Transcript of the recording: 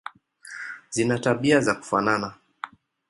Zina tabia za kufanana.